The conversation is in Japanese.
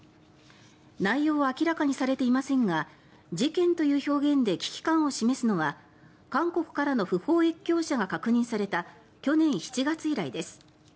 内容は明らかにされていませんが事件という表現で危機感を示すのは韓国からの不法越境者が確認された去年７月以来です。